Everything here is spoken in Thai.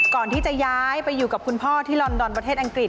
ก่อนที่จะย้ายไปอยู่กับคุณพ่อที่ลอนดอนประเทศอังกฤษ